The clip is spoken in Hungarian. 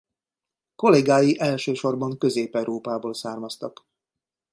Kollégái elsősorban Közép-Európából származtak.